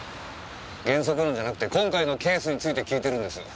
原則論じゃなくて今回のケースについて訊いてるんです。